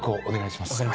お願いします。